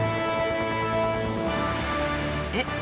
えっ？